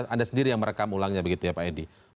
anda sendiri yang merekam ulangnya begitu ya pak edi